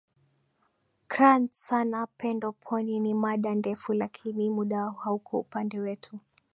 kran sana pendo ponny ni mada ndefu lakini muda hauko upande wetu